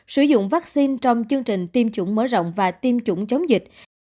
sử dụng vaccine trong chương trình tiêm chủng mở rộng và tiêm chủng chống dịch